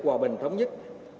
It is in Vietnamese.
hòa bình thống nhất